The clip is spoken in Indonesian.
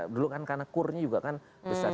dulu kan karena kurnya juga kan besar